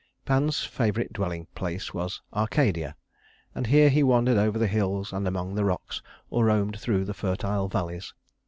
Pan's favorite dwelling place was Arcadia; and here he wandered over the hills and among the rocks, or roamed through the fertile valleys.